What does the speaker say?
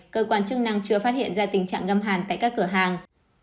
cơ quan chức năng chưa phát hiện ra tình trạng gâm hàn tại các cửa hàng